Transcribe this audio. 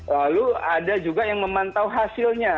lalu ada juga yang memantau hasilnya